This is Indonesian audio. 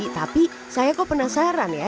tapi saya kok penasaran ya